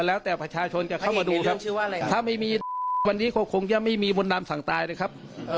แล้วแต่ประชาชนจะเข้ามาดูครับถ้าไม่มีวันนี้ก็คงจะไม่มีมนต์ดำสั่งตายเลยครับ